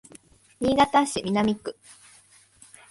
新潟市南区